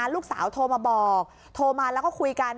ลูกสาวโทรมาบอกโทรมาแล้วก็คุยกัน